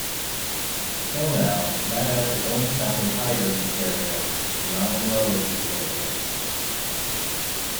Till now, NatF is only found in higher eukaryotes, but not in lower eukaryotes.